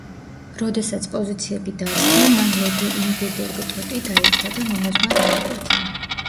როდესაც პოზიციები დასთმო, მან ლედი ინგებორგ ტოტი დაირქვა და მონაზვნად აღიკვეცა.